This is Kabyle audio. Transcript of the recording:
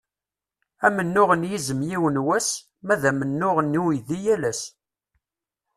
Amennuɣ n yizem yiwen wass, ma d amennuɣ n uydi yal ass.